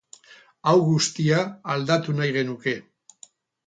Hau guztia aldatu nahi genuke.